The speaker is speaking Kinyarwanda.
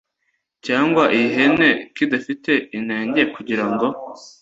cyangwa iy ihene kidafite inenge kugira ngo